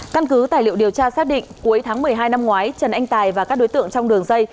căn cứ tài liệu điều tra xác định cuối tháng một mươi hai năm ngoái trần anh tài và các đối tượng trong đường dây